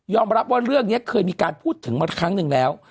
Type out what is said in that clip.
รับว่าเรื่องนี้เคยมีการพูดถึงมาครั้งหนึ่งแล้ว